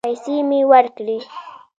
پيسې مې ورکړې.